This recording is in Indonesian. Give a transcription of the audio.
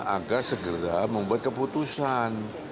agar segera membuat keputusan